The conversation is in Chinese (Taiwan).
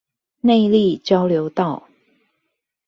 內壢交流道